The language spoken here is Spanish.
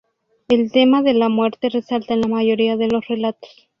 El tema de la muerte resalta en la mayoría de los relatos.